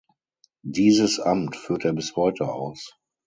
Dieses Amt führt er bis heute aus.